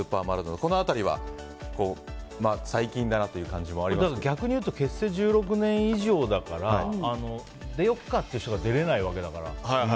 この辺りは最近だなという逆に言うと結成１６年以上だから出よかっていう人が出れない人だから。